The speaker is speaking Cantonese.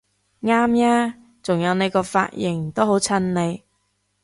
啱吖！仲有你個髮型都好襯你！